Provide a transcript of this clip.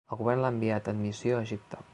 El govern l'ha enviat en missió a Egipte.